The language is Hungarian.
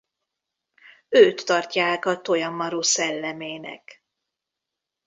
Őt tartják a Toya Maru szellemének.